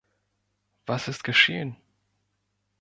Was ist geschehen?